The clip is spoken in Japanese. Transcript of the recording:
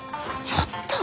ちょっと！